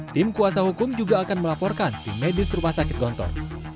tim kuasa hukum juga akan melaporkan tim medis rumah sakit gontor